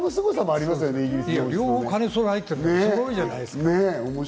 両方を兼ね備えてる、すごいじゃないですか。